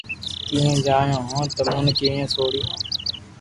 ڪيئي جايو ھون تمو ني ڪيڪر سوڙيو